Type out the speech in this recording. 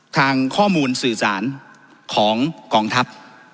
ทางข้อมูลสื่อสารของกองทัพ